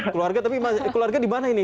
keluarga tapi keluarga di mana ini